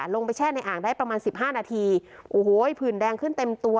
แช่ในอ่างได้ประมาณสิบห้านาทีโอ้โหผื่นแดงขึ้นเต็มตัว